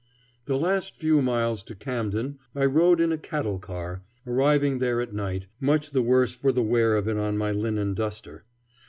The last few miles to Camden I rode in a cattle car, arriving there at night, much the worse for the wear of it on my linen duster.